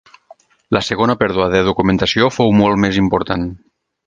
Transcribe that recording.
La segona pèrdua de documentació fou molt més important.